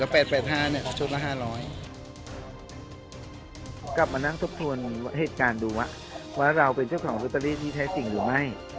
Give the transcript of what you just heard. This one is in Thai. กลับมานั่งทบทวนเหตุการณ์ดูว่าเราเป็นเจ้าของวิทยาลัยนี้แท้สิ่งหรือไม่